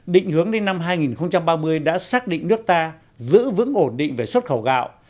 định hướng đến năm hai nghìn ba mươi đã xác định nước ta giữ vững ổn định về xuất khẩu gạo